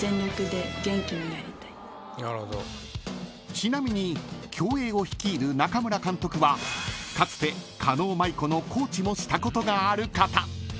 ［ちなみに共栄を率いる中村監督はかつて狩野舞子のコーチもしたことがある方］